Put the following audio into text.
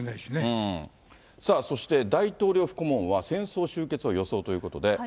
さあ、そして大統領府顧問は戦争終結を予想ということで。